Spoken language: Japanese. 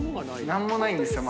何もないんですよ。